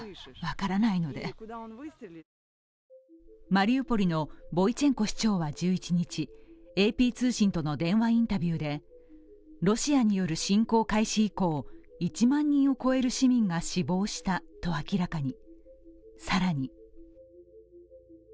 マリウポリのボイチェンコ市長は１１日、ＡＰ通信との電話インタビューでロシアによる侵攻開始後、１万人を超える市民が死亡したと明らかに。